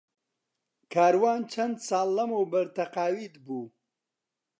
کاروان چەند ساڵ لەمەوبەر تەقاویت بوو.